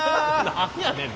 何やねん。